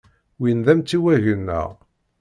Win d amtiweg-nneɣ.